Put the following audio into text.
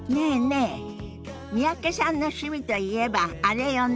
え三宅さんの趣味といえばあれよね。